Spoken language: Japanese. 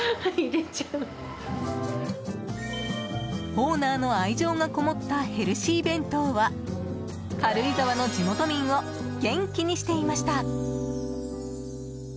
オーナーの愛情がこもったヘルシー弁当は軽井沢の地元民を元気にしていました。